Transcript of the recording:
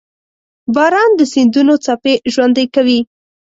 • باران د سیندونو څپې ژوندۍ کوي.